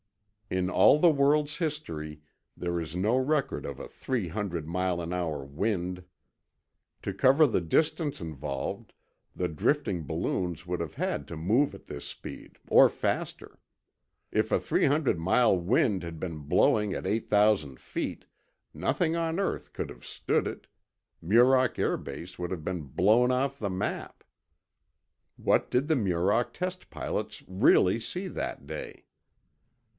In all the world's history, there is no record of a three hundred mile an hour wind. To cover the distance involved, the drifting balloons would have had to move at this speed, or faster. If a three hundred mile wind had been blowing at eight thousand feet, nothing on earth could have stood it, Muroc Air Base would have been blown off the map. What did the Muroc test pilots really see that day?